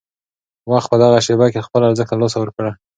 وخت په دغه شېبه کې خپل ارزښت له لاسه ورکړ.